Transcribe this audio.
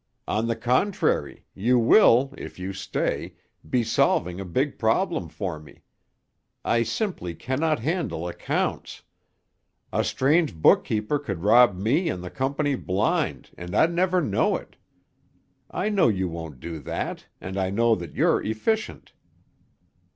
On the contrary, you will, if you stay, be solving a big problem for me. I simply can not handle accounts. A strange bookkeeper could rob me and the company blind, and I'd never know it. I know you won't do that; and I know that you're efficient.